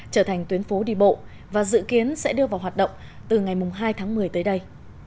trở thành tuyến phố đi bộ và dự kiến sẽ đưa vào hoạt động từ ngày hai tháng một mươi tới đây